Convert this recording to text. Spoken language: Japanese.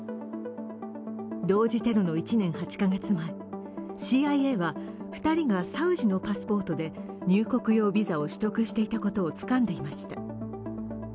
同時テロの１年８カ月前、ＣＩＡは２人がサウジのパスポートで入国用ビザを取得していたことをつかんでいました。